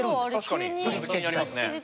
気になりますね。